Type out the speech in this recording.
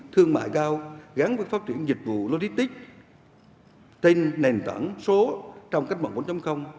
thương mại cao gắn với phát triển dịch vụ logistic tên nền tảng số trong cách mộng bốn